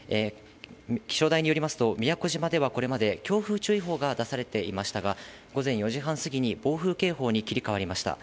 気象台によりますと、宮古島ではこれまで強風注意報が出されていましたが、午前４時半過ぎに暴風警報に切り替わりました。